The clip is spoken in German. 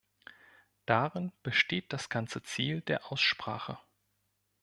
Darin besteht das ganze Ziel der Aussprache.